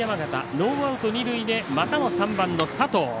ノーアウト、二塁でまたも３番の佐藤。